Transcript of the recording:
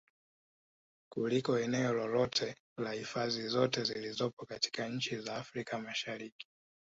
Kuliko eneo lolote la hifadhi zote zilizopo katika nchi za Afrika Mashariki